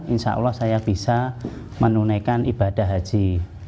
insya allah saya bisa menunaikan ibadah haji